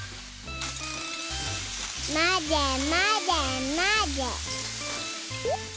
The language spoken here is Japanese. まぜまぜまぜ。